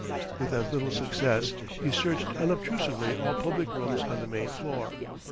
With as little success he searched unobtrusively all public rooms on the main floor.